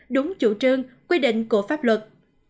đúng chủ trương quy định của pháp luật